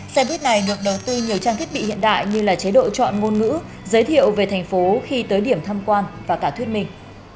xe buýt này được đầu tư nhiều trang thiết bị hiện đại như là chế độ chọn ngôn ngữ giới thiệu về thành phố khi tới điểm tham quan và cả thuyết minh